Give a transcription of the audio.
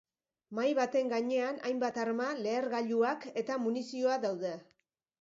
Mahai baten gainean hainbat arma, lehergailuak eta munizioa daude.